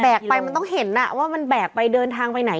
ไปมันต้องเห็นว่ามันแบกไปเดินทางไปไหน